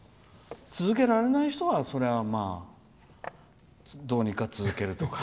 続けられない人はそれは、まあ、どうにか続けるとか。